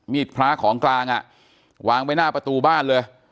มีดพระของกลางวางไปหน้าประตูบ้านเลย